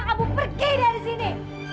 kamu pergi dari sini